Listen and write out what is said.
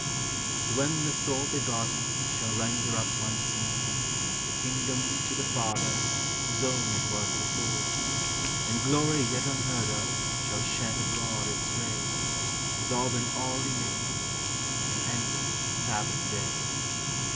And when the Sole Begotten Shall render up once more The kingdom to the Father, Whose own it was before, DEATH: IMMORTALITY: HEAVEN. 419 Then glory yet unheard of Shall shed abroad its ray, Resolving all enigmas, xVn endless Sabbath day.